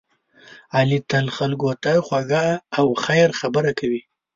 علی تل خلکو ته خوږه او خیر خبره کوي.